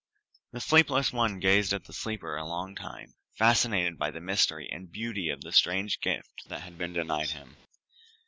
The sleepless one gazed at the sleeper a long time, fascinated by the mystery and beauty of that strange gift that had been denied him.